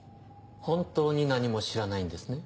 本当に何も知らないんですね？